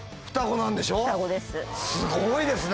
すごいですね。